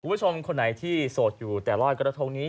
คุณผู้ชมคนไหนที่โสดอยู่แต่ลอยกระทงนี้